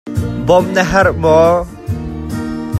Bawmh na herh maw?